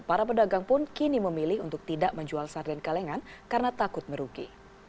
para pedagang pun kini memilih untuk tidak menjual sarden kalengan karena takut merugi